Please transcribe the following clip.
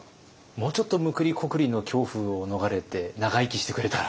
もうちょっとむくりこくりの恐怖を逃れて長生きしてくれたら。